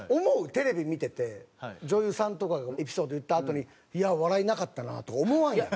テレビ見てて女優さんとかがエピソード言ったあとに笑いなかったなって思わんやろ？